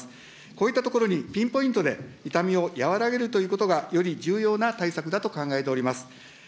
こういったところにピンポイントで痛みを和らげるということが、より重要な対策だと考えております。